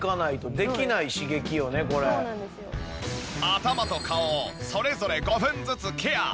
頭と顔をそれぞれ５分ずつケア。